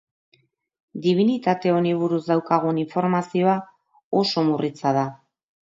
Dibinitate honi buruz daukagun informazioa oso murritza da.